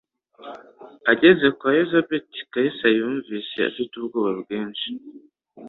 Ageze kwa Elisabeth, Kalisa yumvise afite ubwoba bwinshi